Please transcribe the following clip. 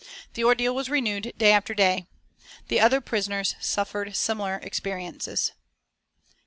The ordeal was renewed day after day. The other prisoners suffered similar experiences.